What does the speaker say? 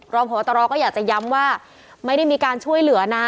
พบตรก็อยากจะย้ำว่าไม่ได้มีการช่วยเหลือนะ